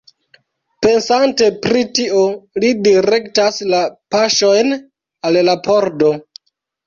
Pensante pri tio, li direktas la paŝojn al la pordo.